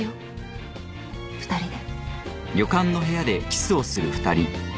２人で